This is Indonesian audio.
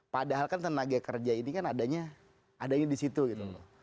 padahal kan tenaga kerja ini kan adanya di situ gitu loh